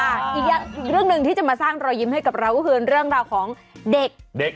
อีกเรื่องหนึ่งที่จะมาสร้างรอยยิ้มให้กับเราก็คือเรื่องราวของเด็กเด็ก